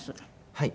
はい。